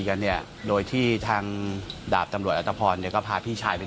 กันเนี่ยโดยที่ทางดาบตำรวจอัตภพรเนี่ยก็พาพี่ชายไป